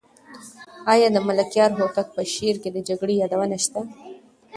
آیا د ملکیار هوتک په شعر کې د جګړې یادونه شته؟